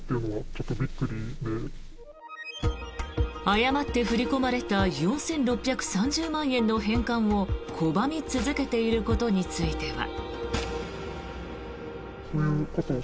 誤って振り込まれた４６３０万円の返還を拒み続けていることについては。